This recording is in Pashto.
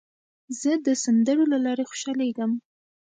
زه د سندرو له لارې خوشحالېږم.